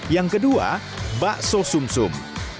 yang kedua bakso sumsum